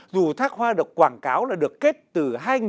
dù thác hoa được quảng cáo là được kết từ